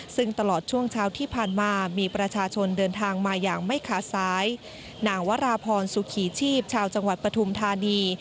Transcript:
ซึ่งตลอดช่วงเช้าที่ผ่านมามีประชาชนเดินทางมาอย่างไม่ขาดซ้ายนางวราพรสุขีชีพชาวจังหวัดปฐุมธานี